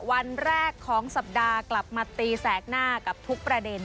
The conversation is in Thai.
วันแรกของสัปดาห์กลับมาตีแสกหน้ากับทุกประเด็น